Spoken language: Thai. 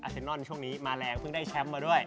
เซนนอนช่วงนี้มาแรงเพิ่งได้แชมป์มาด้วย